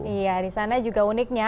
iya di sana juga uniknya